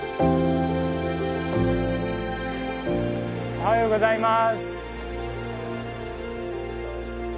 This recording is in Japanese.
おはようございます。